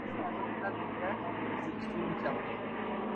Musaana okulabirira n'okukuza ekitundu kyammwe.